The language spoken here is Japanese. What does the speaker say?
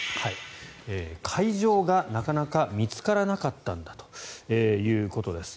会場がなかなか見つからなかったんだということです。